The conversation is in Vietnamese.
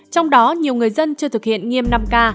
trong đó nhiều người dân chưa thực hiện nghiêm năm k